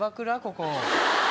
ここ。